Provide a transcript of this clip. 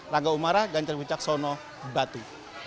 rangga umara ganjarin wicak sonoh batu